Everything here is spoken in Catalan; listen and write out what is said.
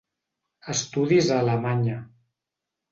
estudis a Alemanya.